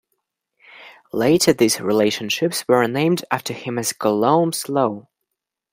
Later these relationships were named after him as Coulomb's law.